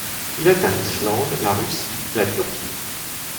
Il atteint l'Islande, la Russie, la Turquie.